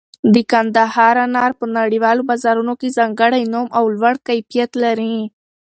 د کندهار انار په نړیوالو بازارونو کې ځانګړی نوم او لوړ کیفیت لري.